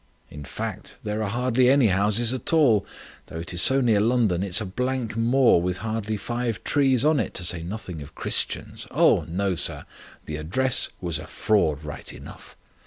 In fact, there are hardly any houses at all. Though it is so near London, it's a blank moor with hardly five trees on it, to say nothing of Christians. Oh, no, sir, the address was a fraud right enough.